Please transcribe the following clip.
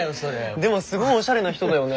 でもすごいおしゃれな人だよね？